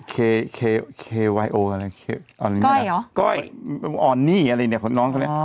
ก้อยเหรอก้อยออนนี่อะไรเนี่ยของน้องเขาเนี่ย